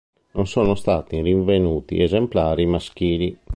Non sono stati rinvenuti esemplari maschili.